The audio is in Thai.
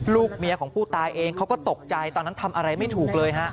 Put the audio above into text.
ลูกเมียของผู้ตายเองเขาก็ตกใจตอนนั้นทำอะไรไม่ถูกเลยฮะ